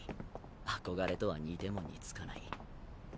憧れとは似ても似つかない。